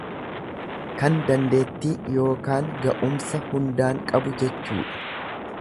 Kan dandeetti yookaan ga'umsa hundaan qabu jechuudha.